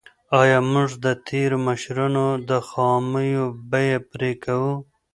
ایا موږ د تېرو مشرانو د خامیو بیه پرې کوو؟